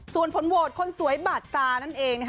ส่วนผลโหวตคนสวยบาดตานั่นเองนะคะ